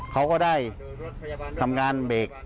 เขาก็ได้ทำงานเบรก